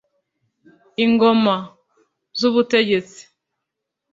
ingoma (z’ubutegetsi)